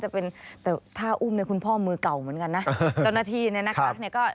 แต่ถ้าอุ้มในคุณพ่อมือเก่าเหมือนกันนะเจ้าหน้าที่เนี่ยนะครับ